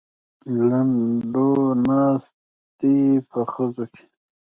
لنډو ناست دی په خزو کې.